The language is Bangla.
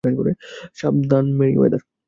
সাবধান, মেরিওয়েদার।